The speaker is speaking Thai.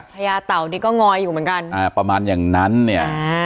ญาเต่านี่ก็งอยอยู่เหมือนกันอ่าประมาณอย่างนั้นเนี่ยอ่า